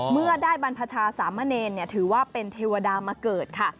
เมื่อได้บรรพชาสามะเนรถือว่าเป็นเทวดามาเกิดค่ะ